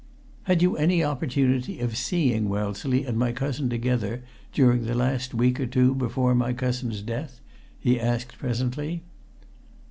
"Had you any opportunity of seeing Wellesley and my cousin together during the last week or two before my cousin's death?" he asked presently.